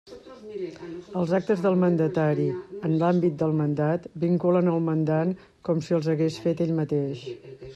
Els actes del mandatari, en l'àmbit del mandat, vinculen el mandant com si els hagués fet ell mateix.